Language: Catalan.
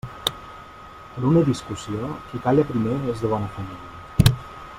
En una discussió, qui calla primer és de bona família.